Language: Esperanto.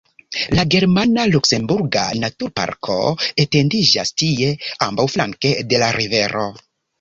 La germana-luksemburga naturparko etendiĝas tie ambaŭflanke de la rivero.